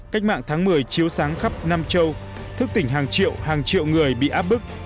cách mạng tháng một mươi chiếu sáng khắp nam châu thức tỉnh hàng triệu hàng triệu người bị áp bức